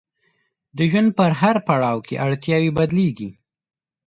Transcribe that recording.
د ژوند په هر پړاو کې اړتیاوې بدلیږي.